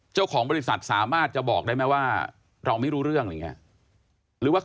เจ้าของบริษัทสามารถจะบอกได้ไหมว่าเราไม่รู้เรื่องอะไรอย่างนี้